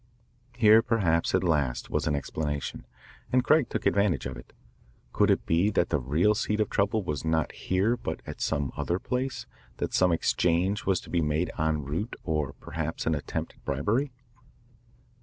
Here, perhaps, at last was an explanation, and Craig took advantage of it. Could it be that the real seat of trouble was not here but at some other place, that some exchange was to be made en route or perhaps an attempt at bribery?